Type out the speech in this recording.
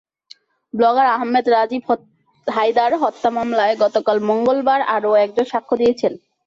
Blogger Ahmed Rajib Haider হত্যা মামলায় গতকাল মঙ্গলবার আরও একজন সাক্ষ্য দিয়েছেন।